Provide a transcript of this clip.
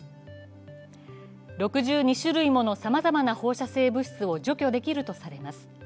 ６２種類ものさまざまな放射性物質を除去できるとされます。